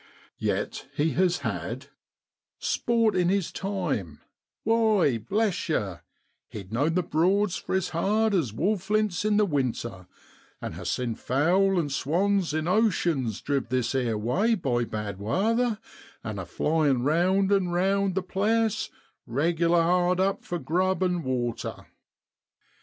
Yet he has had ' sport in his time ; why, bless yer, he'd known the Broads friz hard as wall flints in the winter, and ha' seen fowl an' swans in oceans driv' this ere way by bad wather, and a flyin' round and round the place, reg'lar hard up for grub and water.'